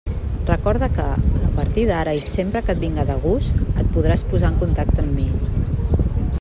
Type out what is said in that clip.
Recorda que, a partir d'ara i sempre que et vinga de gust, et podràs posar en contacte amb mi.